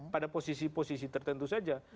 pada posisi posisi tertentu saja